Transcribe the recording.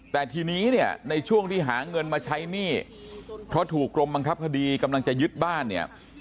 แต่ทีนี้เนี่ยในช่วงที่หาเงินมาใช้หนี้เพราะถูกกรมบังคับคดีกำลังจะยึดบ้านเนี่ย